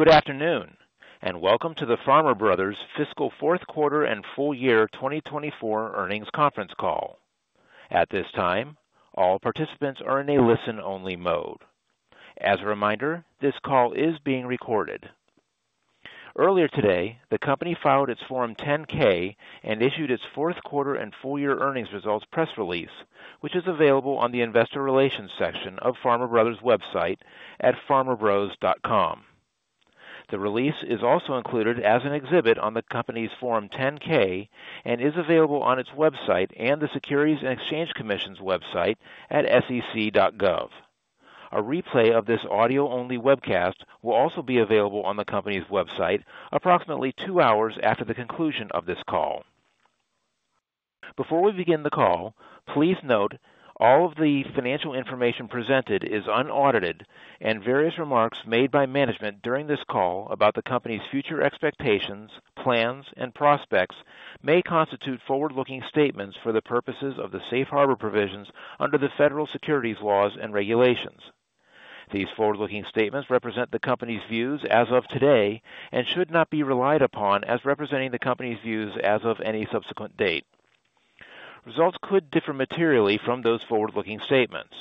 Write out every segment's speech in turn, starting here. Good afternoon, and welcome to the Farmer Brothers fiscal fourth quarter and full year 2024 earnings conference call. At this time, all participants are in a listen-only mode. As a reminder, this call is being recorded. Earlier today, the company filed its Form 10-K and issued its fourth quarter and full year earnings results press release, which is available on the Investor Relations section of Farmer Brothers' website at farmerbros.com. The release is also included as an exhibit on the company's Form 10-K and is available on its website and the Securities and Exchange Commission's website at sec.gov. A replay of this audio-only webcast will also be available on the company's website approximately two hours after the conclusion of this call. Before we begin the call, please note all of the financial information presented is unaudited, and various remarks made by management during this call about the company's future expectations, plans, and prospects may constitute forward-looking statements for the purposes of the safe harbor provisions under the federal securities laws and regulations. These forward-looking statements represent the company's views as of today and should not be relied upon as representing the company's views as of any subsequent date. Results could differ materially from those forward-looking statements.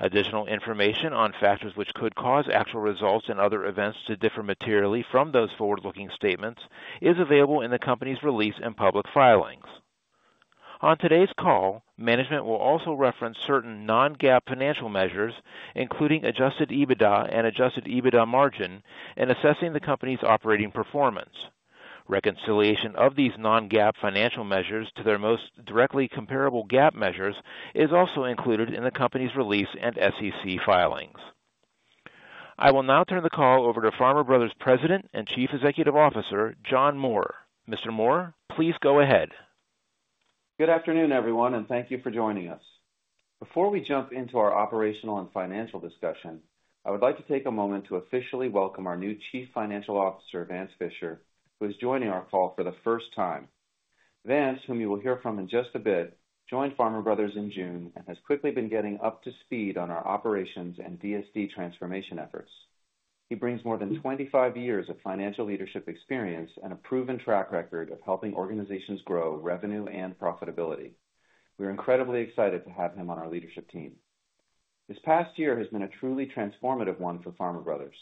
Additional information on factors which could cause actual results and other events to differ materially from those forward-looking statements is available in the company's release and public filings. On today's call, management will also reference certain Non-GAAP financial measures, including Adjusted EBITDA and Adjusted EBITDA margin, in assessing the company's operating performance. Reconciliation of these non-GAAP financial measures to their most directly comparable GAAP measures is also included in the company's release and SEC filings. I will now turn the call over to Farmer Brothers' President and Chief Executive Officer, John Moore. Mr. Moore, please go ahead. Good afternoon, everyone, and thank you for joining us. Before we jump into our operational and financial discussion, I would like to take a moment to officially welcome our new Chief Financial Officer, Vance Fisher, who is joining our call for the first time. Vance, whom you will hear from in just a bit, joined Farmer Brothers in June and has quickly been getting up to speed on our operations and DSD transformation efforts. He brings more than 25 years of financial leadership experience and a proven track record of helping organizations grow revenue and profitability. We are incredibly excited to have him on our leadership team. This past year has been a truly transformative one for Farmer Brothers.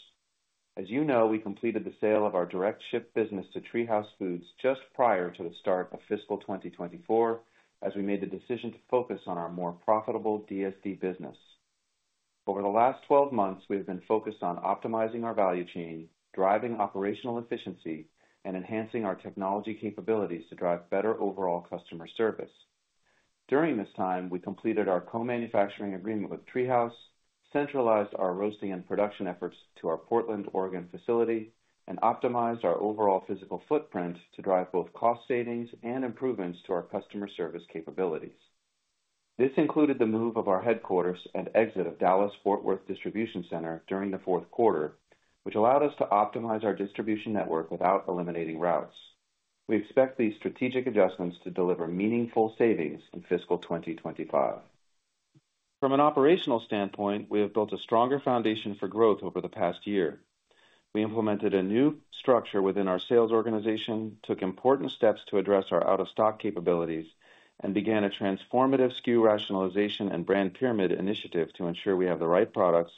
As you know, we completed the sale of our direct ship business to TreeHouse Foods just prior to the start of fiscal 2024, as we made the decision to focus on our more profitable DSD business. Over the last 12 months, we've been focused on optimizing our value chain, driving operational efficiency, and enhancing our technology capabilities to drive better overall customer service. During this time, we completed our co-manufacturing agreement with TreeHouse, centralized our roasting and production efforts to our Portland, Oregon, facility, and optimized our overall physical footprint to drive both cost savings and improvements to our customer service capabilities. This included the move of our headquarters and exit of Dallas/Fort Worth Distribution Center during the fourth quarter, which allowed us to optimize our distribution network without eliminating routes. We expect these strategic adjustments to deliver meaningful savings in fiscal 2025. From an operational standpoint, we have built a stronger foundation for growth over the past year. We implemented a new structure within our sales organization, took important steps to address our out-of-stock capabilities, and began a transformative SKU rationalization and brand pyramid initiative to ensure we have the right products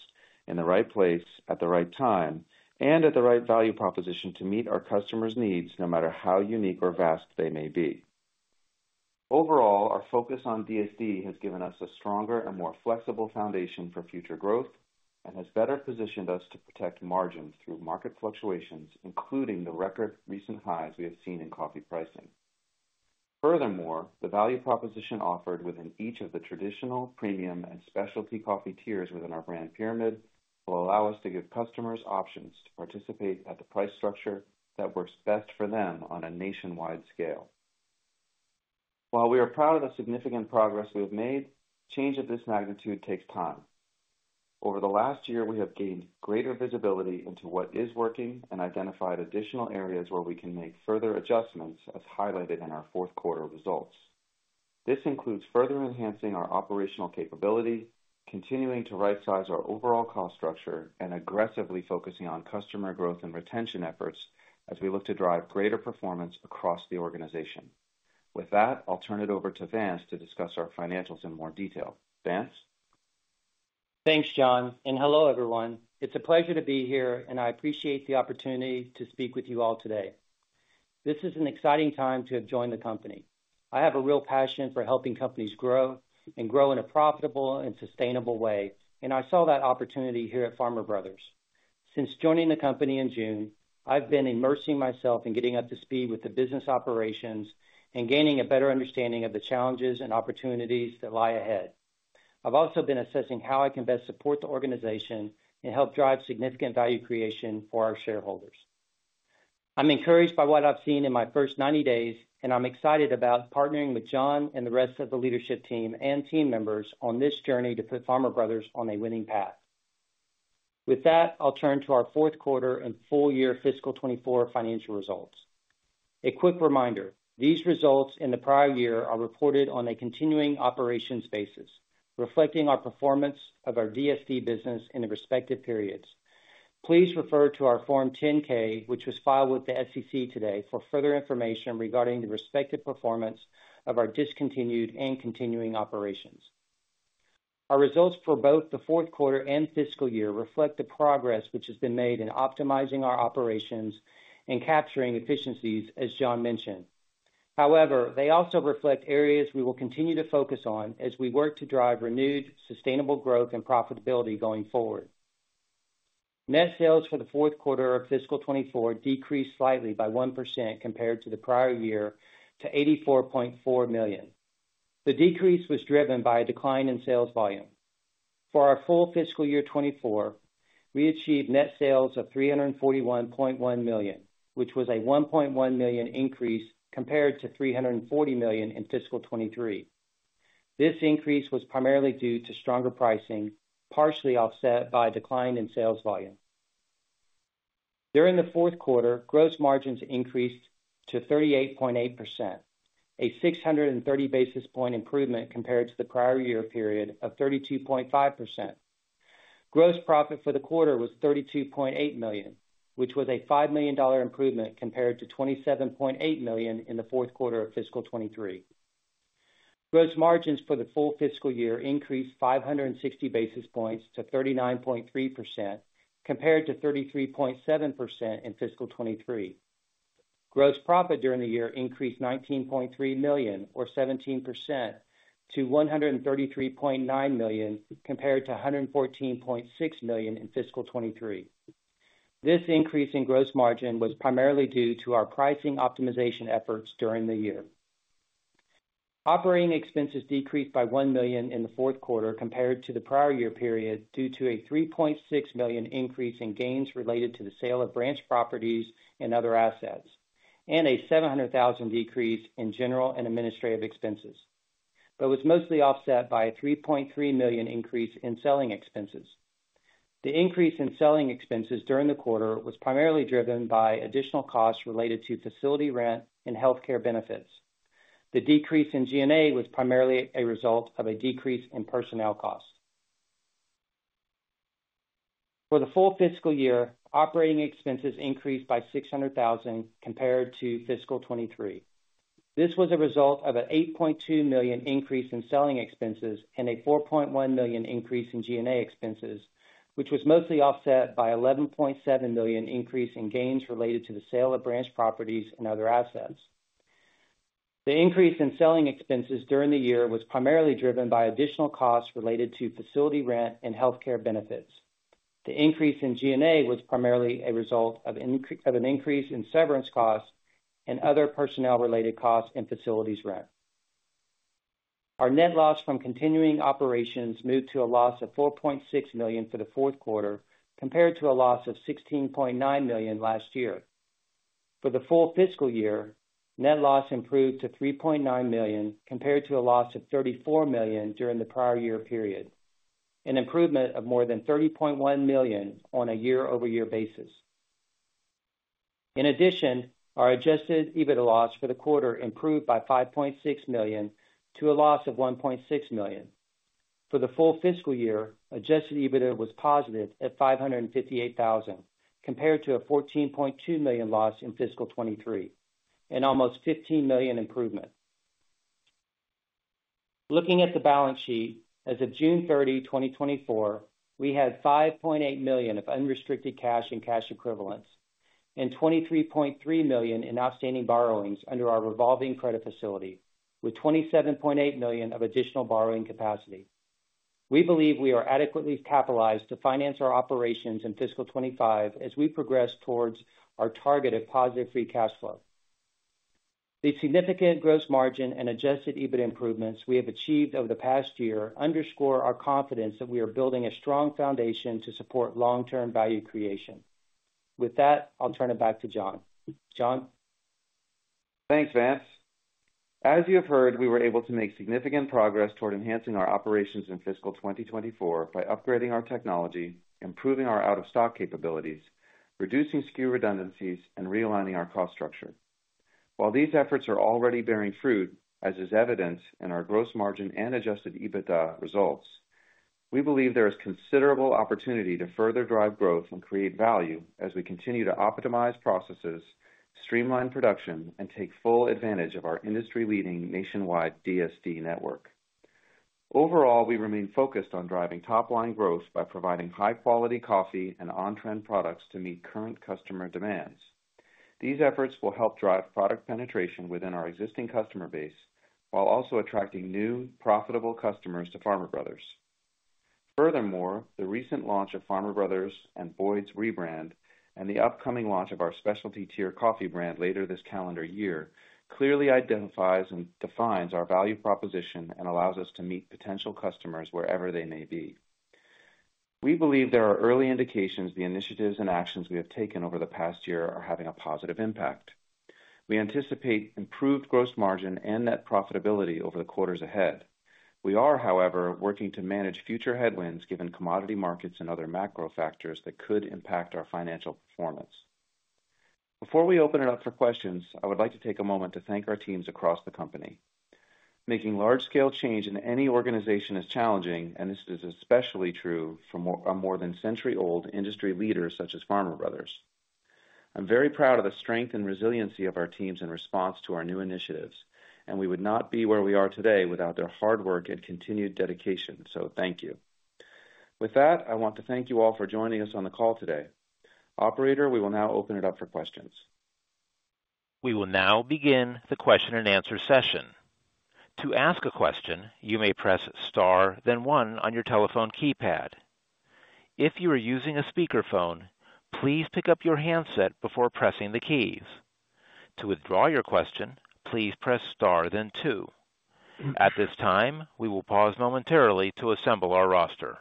in the right place at the right time, and at the right value proposition to meet our customers' needs, no matter how unique or vast they may be. Overall, our focus on DSD has given us a stronger and more flexible foundation for future growth and has better positioned us to protect margins through market fluctuations, including the record recent highs we have seen in coffee pricing. Furthermore, the value proposition offered within each of the traditional, premium, and specialty coffee tiers within our brand pyramid will allow us to give customers options to participate at the price structure that works best for them on a nationwide scale. While we are proud of the significant progress we have made, change of this magnitude takes time. Over the last year, we have gained greater visibility into what is working and identified additional areas where we can make further adjustments, as highlighted in our fourth quarter results. This includes further enhancing our operational capability, continuing to rightsize our overall cost structure, and aggressively focusing on customer growth and retention efforts as we look to drive greater performance across the organization. With that, I'll turn it over to Vance to discuss our financials in more detail. Vance? Thanks, John, and hello, everyone. It's a pleasure to be here, and I appreciate the opportunity to speak with you all today. This is an exciting time to have joined the company. I have a real passion for helping companies grow and grow in a profitable and sustainable way, and I saw that opportunity here at Farmer Brothers. Since joining the company in June, I've been immersing myself in getting up to speed with the business operations and gaining a better understanding of the challenges and opportunities that lie ahead. I've also been assessing how I can best support the organization and help drive significant value creation for our shareholders. I'm encouraged by what I've seen in my first ninety days, and I'm excited about partnering with John and the rest of the leadership team and team members on this journey to put Farmer Brothers on a winning path. With that, I'll turn to our fourth quarter and full year fiscal 2024 financial results. A quick reminder, these results in the prior year are reported on a continuing operations basis, reflecting our performance of our DSD business in the respective periods. Please refer to our Form 10-K, which was filed with the SEC today for further information regarding the respective performance of our discontinued and continuing operations. Our results for both the fourth quarter and fiscal year reflect the progress which has been made in optimizing our operations and capturing efficiencies, as John mentioned. However, they also reflect areas we will continue to focus on as we work to drive renewed, sustainable growth and profitability going forward. Net sales for the fourth quarter of fiscal 2024 decreased slightly by 1% compared to the prior year to $84.4 million. The decrease was driven by a decline in sales volume. For our full fiscal year 2024, we achieved net sales of $341.1 million, which was a $1.1 million increase compared to $340 million in fiscal 2023. This increase was primarily due to stronger pricing, partially offset by a decline in sales volume. During the fourth quarter, gross margins increased to 38.8%, a 630 basis point improvement compared to the prior year period of 32.5%. Gross profit for the quarter was $32.8 million, which was a $5 million improvement compared to $27.8 million in the fourth quarter of fiscal 2023. Gross margins for the full fiscal year increased 560 basis points to 39.3%, compared to 33.7% in fiscal 2023. Gross profit during the year increased $19.3 million or 17% to $133.9 million, compared to $114.6 million in fiscal 2023. This increase in gross margin was primarily due to our pricing optimization efforts during the year. Operating expenses decreased by $1 million in the fourth quarter compared to the prior year period, due to a $3.6 million increase in gains related to the sale of branch properties and other assets, and a $700,000 decrease in general and administrative expenses, but was mostly offset by a $3.3 million increase in selling expenses. The increase in selling expenses during the quarter was primarily driven by additional costs related to facility rent and healthcare benefits. The decrease in G&A was primarily a result of a decrease in personnel costs. For the full fiscal year, operating expenses increased by $600,000 compared to fiscal 2023. This was a result of an $8.2 million increase in selling expenses and a $4.1 million increase in G&A expenses, which was mostly offset by $11.7 million increase in gains related to the sale of branch properties and other assets. The increase in selling expenses during the year was primarily driven by additional costs related to facility rent and healthcare benefits. The increase in G&A was primarily a result of of an increase in severance costs and other personnel-related costs and facilities rent. Our net loss from continuing operations moved to a loss of $4.6 million for the fourth quarter, compared to a loss of $16.9 million last year. For the full fiscal year, net loss improved to $3.9 million, compared to a loss of $34 million during the prior year period, an improvement of more than $30.1 million on a year-over-year basis. In addition, our Adjusted EBITDA loss for the quarter improved by $5.6 million to a loss of $1.6 million. For the full fiscal year, Adjusted EBITDA was positive at $558,000, compared to a $14.2 million loss in fiscal 2023, an almost $15 million improvement. Looking at the balance sheet, as of June 30th, 2024, we had $5.8 million of unrestricted cash and cash equivalents, and $23.3 million in outstanding borrowings under our revolving credit facility, with $27.8 million of additional borrowing capacity. We believe we are adequately capitalized to finance our operations in fiscal 2025 as we progress towards our target of positive free cash flow. The significant gross margin and Adjusted EBIT improvements we have achieved over the past year underscore our confidence that we are building a strong foundation to support long-term value creation. With that, I'll turn it back to John. John? Thanks, Vance. As you have heard, we were able to make significant progress toward enhancing our operations in fiscal 2024 by upgrading our technology, improving our out-of-stock capabilities, reducing SKU redundancies, and realigning our cost structure. While these efforts are already bearing fruit, as is evidenced in our gross margin and Adjusted EBITDA results, we believe there is considerable opportunity to further drive growth and create value as we continue to optimize processes, streamline production, and take full advantage of our industry-leading nationwide DSD network. Overall, we remain focused on driving top-line growth by providing high-quality coffee and on-trend products to meet current customer demands. These efforts will help drive product penetration within our existing customer base, while also attracting new, profitable customers to Farmer Brothers. Furthermore, the recent launch of Farmer Brothers and Boyd's rebrand, and the upcoming launch of our specialty tier coffee brand later this calendar year, clearly identifies and defines our value proposition and allows us to meet potential customers wherever they may be. We believe there are early indications the initiatives and actions we have taken over the past year are having a positive impact. We anticipate improved gross margin and net profitability over the quarters ahead. We are, however, working to manage future headwinds given commodity markets and other macro factors that could impact our financial performance. Before we open it up for questions, I would like to take a moment to thank our teams across the company. Making large-scale change in any organization is challenging, and this is especially true for a more than century-old industry leaders such as Farmer Brothers. I'm very proud of the strength and resiliency of our teams in response to our new initiatives, and we would not be where we are today without their hard work and continued dedication. So thank you. With that, I want to thank you all for joining us on the call today. Operator, we will now open it up for questions. We will now begin the question-and-answer session. To ask a question, you may press star then one on your telephone keypad. If you are using a speakerphone, please pick up your handset before pressing the keys. To withdraw your question, please press star then two. At this time, we will pause momentarily to assemble our roster.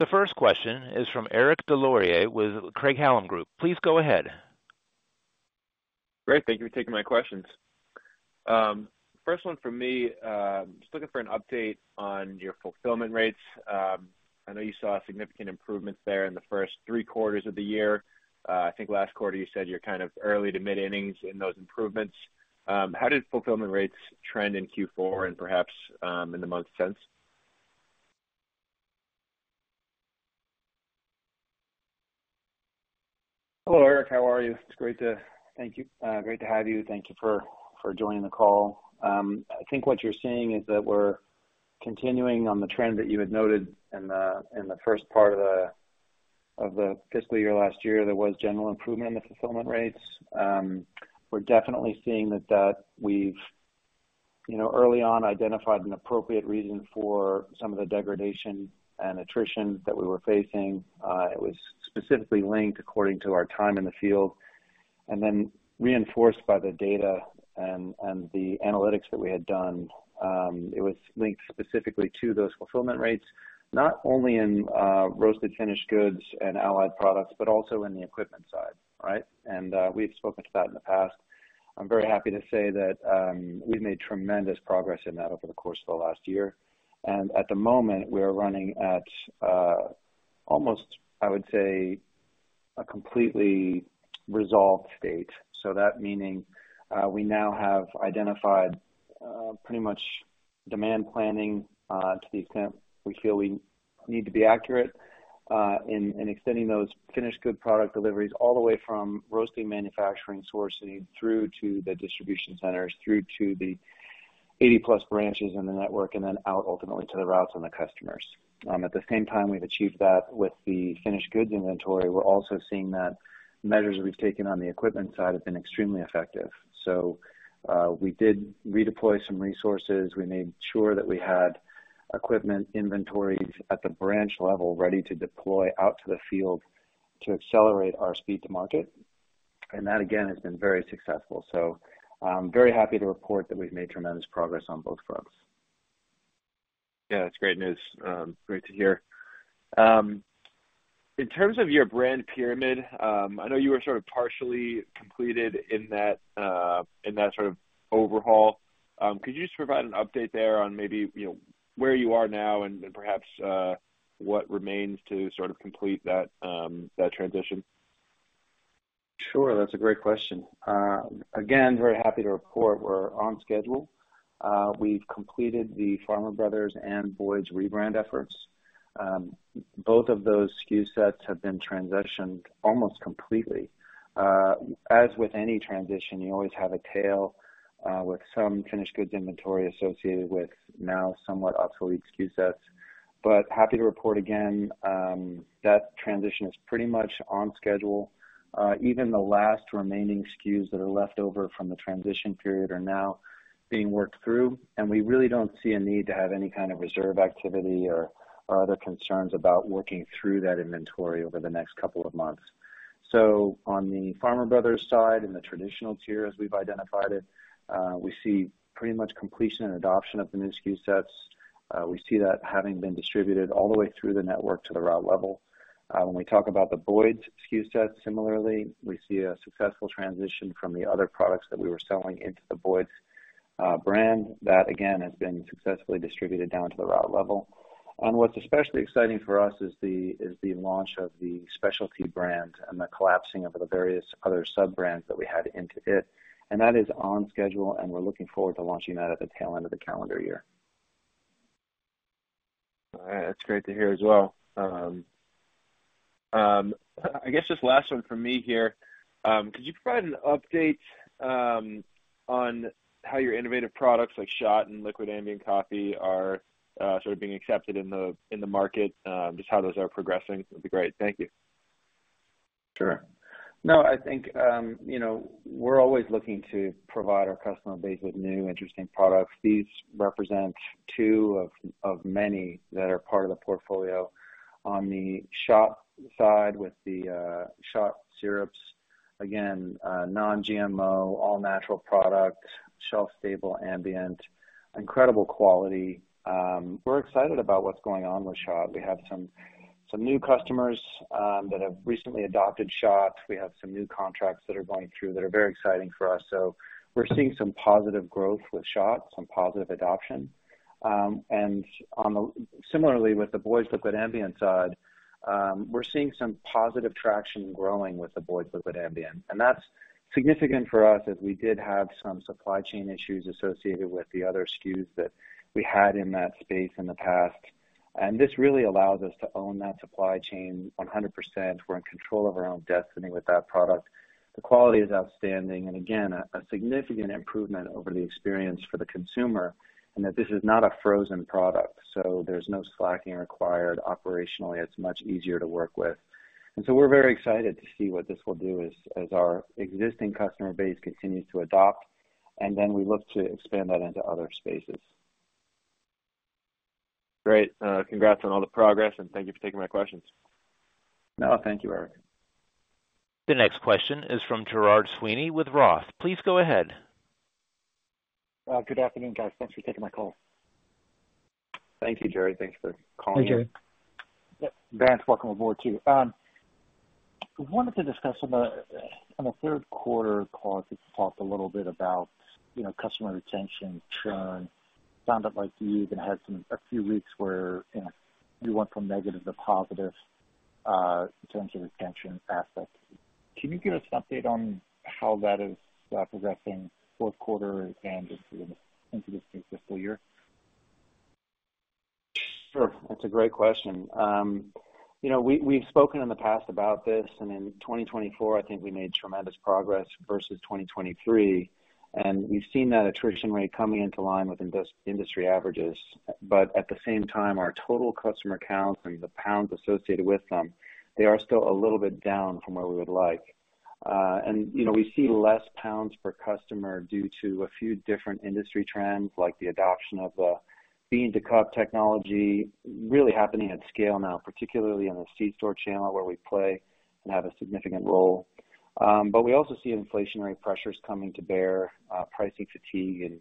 The first question is from Eric Des Lauriers with Craig-Hallum Capital Group. Please go ahead. Great, thank you for taking my questions. First one from me, just looking for an update on your fulfillment rates. I know you saw significant improvements there in the first three quarters of the year. I think last quarter you said you're kind of early to mid-innings in those improvements. How did fulfillment rates trend in Q4 and perhaps, in the months since? Hello, Eric, how are you? It's great to thank you. Great to have you. Thank you for joining the call. I think what you're seeing is that we're continuing on the trend that you had noted in the first part of the fiscal year last year. There was general improvement in the fulfillment rates. We're definitely seeing that we've you know early on identified an appropriate reason for some of the degradation and attrition that we were facing. It was specifically linked according to our time in the field, and then reinforced by the data and the analytics that we had done. It was linked specifically to those fulfillment rates, not only in roasted finished goods and allied products, but also in the equipment side, right? And we've spoken to that in the past. I'm very happy to say that, we've made tremendous progress in that over the course of the last year, and at the moment, we are running at almost, I would say, a completely resolved state, so that meaning, we now have identified pretty much demand planning to the extent we feel we need to be accurate in extending those finished good product deliveries all the way from roasting, manufacturing, sourcing, through to the distribution centers, through to the 80+ branches in the network, and then out ultimately to the routes and the customers. At the same time, we've achieved that with the finished goods inventory. We're also seeing that measures we've taken on the equipment side have been extremely effective, so we did redeploy some resources. We made sure that we had equipment inventories at the branch level ready to deploy out to the field to accelerate our speed to market. And that, again, has been very successful. So I'm very happy to report that we've made tremendous progress on both fronts. Yeah, that's great news. Great to hear. In terms of your brand pyramid, I know you were sort of partially completed in that sort of overhaul. Could you just provide an update there on maybe, you know, where you are now and perhaps what remains to sort of complete that transition? Sure. That's a great question. Again, very happy to report we're on schedule. We've completed the Farmer Brothers and Boyd's rebrand efforts. Both of those SKU sets have been transitioned almost completely. As with any transition, you always have a tail with some finished goods inventory associated with now somewhat obsolete SKU sets, but happy to report again, that transition is pretty much on schedule. Even the last remaining SKUs that are left over from the transition period are now being worked through, and we really don't see a need to have any kind of reserve activity or other concerns about working through that inventory over the next couple of months, so on the Farmer Brothers side, in the traditional tier, as we've identified it, we see pretty much completion and adoption of the new SKU sets. We see that having been distributed all the way through the network to the route level. When we talk about the Boyd's SKU set, similarly, we see a successful transition from the other products that we were selling into the Boyd's brand. That, again, has been successfully distributed down to the route level. What's especially exciting for us is the launch of the specialty brand and the collapsing of the various other sub-brands that we had into it, and that is on schedule, and we're looking forward to launching that at the tail end of the calendar year. All right. That's great to hear as well. I guess just last one from me here. Could you provide an update on how your innovative products like SHOTT and liquid ambient coffee are sort of being accepted in the market? Just how those are progressing would be great. Thank you. Sure. No, I think, you know, we're always looking to provide our customer base with new, interesting products. These represent two of many that are part of the portfolio. On the SHOTT side, with the SHOTT syrups, again, non-GMO, all-natural product, shelf-stable, ambient, incredible quality. We're excited about what's going on with SHOTT. We have some new customers that have recently adopted SHOTT. We have some new contracts that are going through that are very exciting for us. So we're seeing some positive growth with SHOTT, some positive adoption. And, similarly, with the Boyd's Liquid Ambient side, we're seeing some positive traction growing with the Boyd's Liquid Ambient, and that's significant for us, as we did have some supply chain issues associated with the other SKUs that we had in that space in the past. This really allows us to own that supply chain 100%. We're in control of our own destiny with that product. The quality is outstanding, and again, a significant improvement over the experience for the consumer, and that this is not a frozen product, so there's no thawing required. Operationally, it's much easier to work with. So we're very excited to see what this will do as our existing customer base continues to adopt, and then we look to expand that into other spaces. Great! Congrats on all the progress, and thank you for taking my questions. No, thank you, Eric. The next question is from Gerard Sweeney with ROTH. Please go ahead. Good afternoon, guys. Thanks for taking my call. Thank you, Gerry. Thanks for calling in. Hey, Gerry. Vance, welcome aboard to you. I wanted to discuss on the, on the third quarter call, you talked a little bit about, you know, customer retention, churn. Sounded like you even had some. A few weeks where, you know, you went from negative to positive, in terms of retention aspects. Can you give us an update on how that is progressing fourth quarter and into the, into this fiscal year? Sure. That's a great question. You know, we, we've spoken in the past about this, and in 2024, I think we made tremendous progress versus 2023, and we've seen that attrition rate coming into line with industry averages, but at the same time, our total customer counts and the pounds associated with them, they are still a little bit down from where we would like, and you know, we see less pounds per customer due to a few different industry trends, like the adoption of bean-to-cup technology really happening at scale now, particularly in the C-store channel where we play and have a significant role, but we also see inflationary pressures coming to bear, pricing fatigue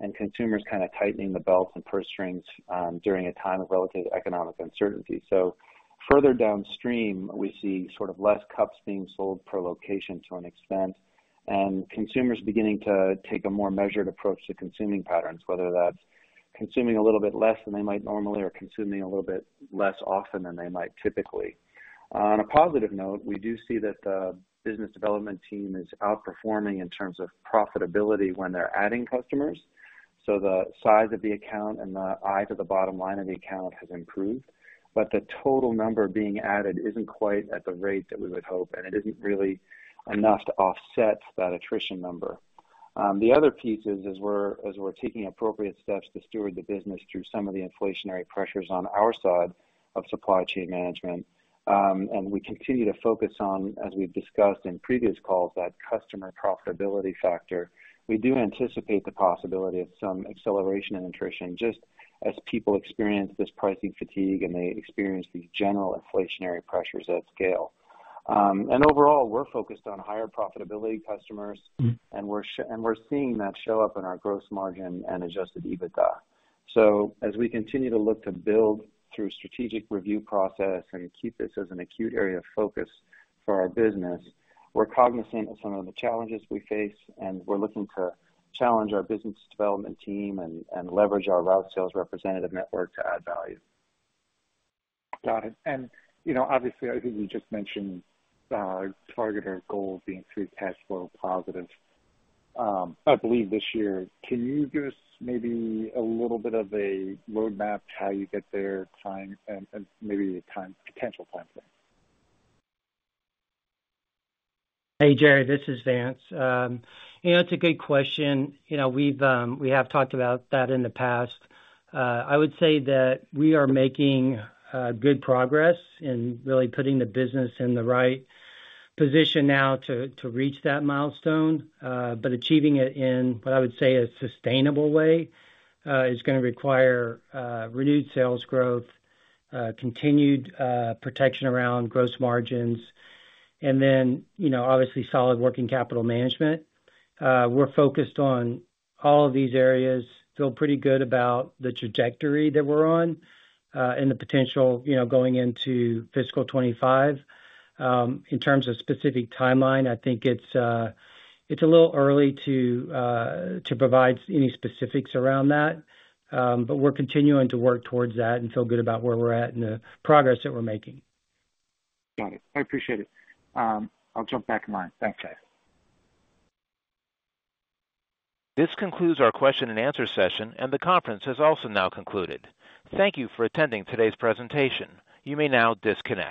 and consumers kind of tightening the belts and purse strings during a time of relative economic uncertainty. Further downstream, we see sort of less cups being sold per location to an extent, and consumers beginning to take a more measured approach to consuming patterns, whether that's consuming a little bit less than they might normally or consuming a little bit less often than they might typically. On a positive note, we do see that the business development team is outperforming in terms of profitability when they're adding customers. The size of the account and the eye to the bottom line of the account has improved, but the total number being added isn't quite at the rate that we would hope, and it isn't really enough to offset that attrition number. The other piece is, as we're taking appropriate steps to steward the business through some of the inflationary pressures on our side of supply chain management, and we continue to focus on, as we've discussed in previous calls, that customer profitability factor. We do anticipate the possibility of some acceleration and attrition, just as people experience this pricing fatigue, and they experience these general inflationary pressures at scale, and overall, we're focused on higher profitability customers, and we're seeing that show up in our gross margin and Adjusted EBITDA, so as we continue to look to build through strategic review process and keep this as an acute area of focus for our business, we're cognizant of some of the challenges we face, and we're looking to challenge our business development team and leverage our route sales representative network to add value. Got it. And you know, obviously, I think you just mentioned, target or goal being free cash flow positive, I believe, this year. Can you give us maybe a little bit of a roadmap to how you get there time and, and maybe a time, potential timeframe? Hey, Gerry, this is Vance. You know, it's a good question. You know, we've talked about that in the past. I would say that we are making good progress in really putting the business in the right position now to reach that milestone, but achieving it in what I would say a sustainable way is gonna require renewed sales growth, continued protection around gross margins, and then, you know, obviously, solid working capital management. We're focused on all of these areas. Feel pretty good about the trajectory that we're on, and the potential, you know, going into fiscal 2025. In terms of specific timeline, I think it's a little early to provide any specifics around that, but we're continuing to work towards that and feel good about where we're at and the progress that we're making. Got it. I appreciate it. I'll jump back in line. Thanks, guys. This concludes our question-and-answer session, and the conference has also now concluded. Thank you for attending today's presentation. You may now disconnect.